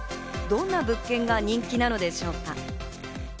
どんな物件が人気なのでしょうか。